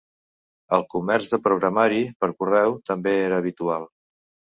El comerç de programari per correu també era habitual.